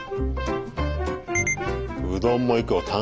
うどんもいくよ。